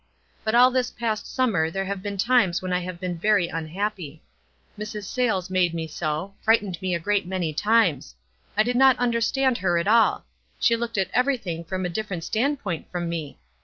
But all this past sum mer there have been times when I have been very unhappy. Mrs. Sayles made me so — frightened me a great many times. I did not understand her at all ; she looked at everything from a different standpoint from me.